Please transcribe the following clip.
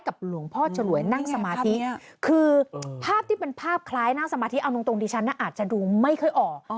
คือภาพที่เป็นภาพคล้ายนั่งสมาธิเอาตรงที่ชั้นเนี้ยอาจจะดูไม่เคยออก